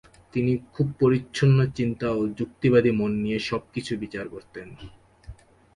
তিনি খুব পরিচ্ছন্ন চিন্তা ও যুক্তিবাদী মন নিয়ে সবকিছুর বিচার করতেন।